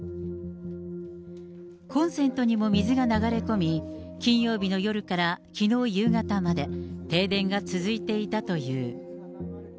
コンセントにも水が流れ込み、金曜日の夜からきのう夕方まで、停電が続いていたという。